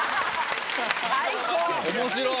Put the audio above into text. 面白い！